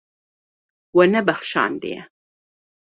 We nebexşandiye.